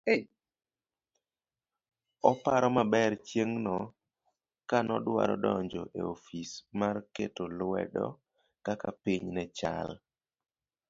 oparo maber chieng'no kano dwaro donjo e ofis mar ketoluedokakapinynechal